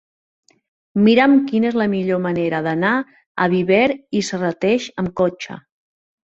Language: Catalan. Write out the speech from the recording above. Mira'm quina és la millor manera d'anar a Viver i Serrateix amb cotxe.